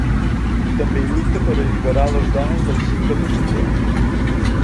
També lluita per alliberar les dones del cicle menstrual.